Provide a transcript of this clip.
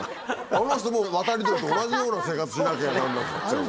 あの人も渡り鳥と同じような生活しなきゃなんなくなっちゃうから。